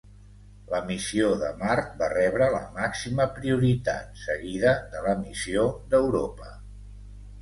La missió de Mart va rebre la màxima prioritat, seguida de la missió d'Europa.